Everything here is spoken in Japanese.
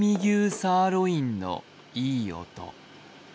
サーロインのいい音。